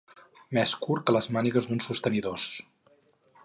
Més curt que les mànigues d'uns sostenidors.